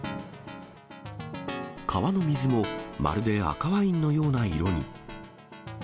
川の水も、まるで赤ワインのような色に。